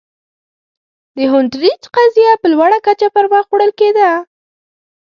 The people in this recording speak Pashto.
د هونټریج قضیه په لوړه کچه پر مخ وړل کېده.